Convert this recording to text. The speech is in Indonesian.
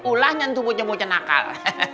ulah nyentuh bocah bocan nakal